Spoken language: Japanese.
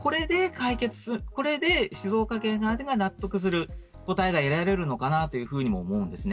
これで静岡県側が納得する答えが得られるのかなとも思います。